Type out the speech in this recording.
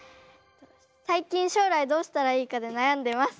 最近将来どうしたらいいかで悩んでます。